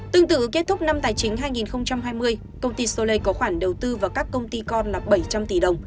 tương tự kết thúc năm tài chính hai nghìn hai mươi công ty solei có khoản đầu tư vào các công ty con là bảy trăm linh tỷ đồng